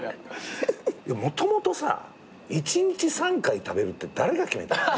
もともとさ一日３回食べるって誰が決めたの？